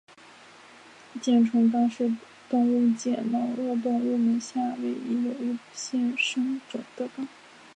箭虫纲是动物界毛颚动物门之下唯一有现生种的纲。